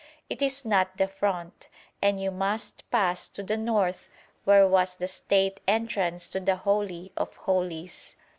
It is not the front, and you must pass to the north, where was the state entrance to the Holy of Holies.